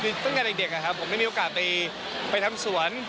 คือตั้งแต่เด็กนะครับผมได้มีโอกาสไปทำสวน